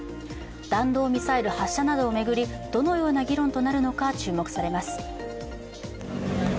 弾道ミサイル発射などを巡り、どのような議論となるのか注目されます。